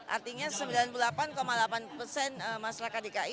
artinya sembilan puluh delapan delapan persen masyarakat dki